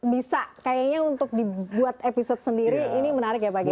bisa kayaknya untuk dibuat episode sendiri ini menarik ya pak kiai